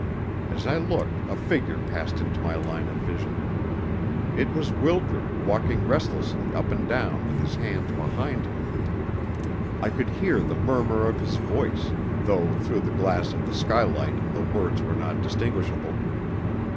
As I looked a figure passed into my line of vision. It was Wildred walking restlessly up and down with his hands behind him. I could hear the murmur of his voice, though through the glass of the skylight the words were not distinguishable.